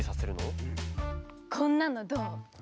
こんなのどう？